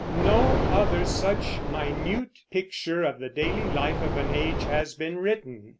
No other such minute picture of the daily life of an age has been written.